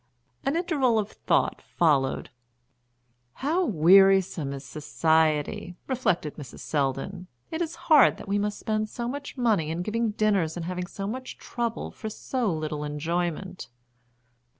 An interval of thought followed. "How wearisome is society!" reflected Mrs. Selldon. "It is hard that we must spend so much money in giving dinners and have so much trouble for so little enjoyment."